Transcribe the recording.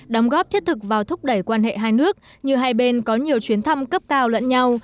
đóng góp thiết thực vào thúc đẩy quan hệ hai nước như hai bên có nhiều chuyến thăm cấp cao lẫn nhau